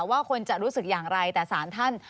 ว่าคนจะรู้สึกอย่างไรแต่สารท่าน